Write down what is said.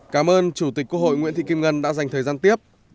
cảm ơn chủ tịch quốc hội nguyễn thị kim ngân đã dành thời gian tiếp